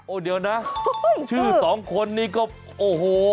โอ้เดี๋ยวนะชื่อ๒คนนึงนี่ก็โอ้โห